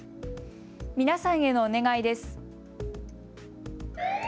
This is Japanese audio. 皆さんへのお願いです。